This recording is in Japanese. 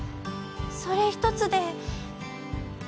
それ一つで。